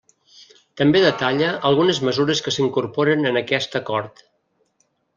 També detalla algunes mesures que s'incorporen en aquest Acord.